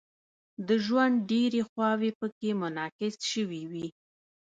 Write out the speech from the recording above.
د ژوند ډیرې خواوې پکې منعکس شوې وي.